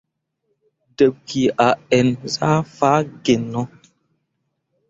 Debki a ǝn zah faa gino.